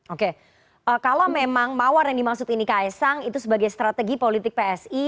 oke kalau memang mawar yang dimaksud ini ks sang itu sebagai strategi politik psi